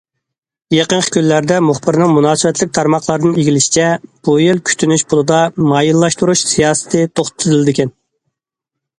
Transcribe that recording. يېقىنقى كۈنلەردە، مۇخبىرنىڭ مۇناسىۋەتلىك تارماقلاردىن ئىگىلىشىچە، بۇ يىل كۈتۈنۈش پۇلىدا مايىللاشتۇرۇش سىياسىتى توختىتىلىدىكەن.